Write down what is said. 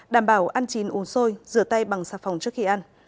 đảm bảo ăn chín uống sôi rửa tay bằng xà phòng trước khi ăn